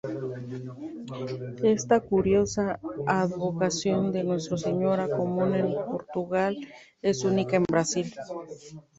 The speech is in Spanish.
Esta curiosa advocación de "Nuestra Señora", común en Portugal, es única en Brasil.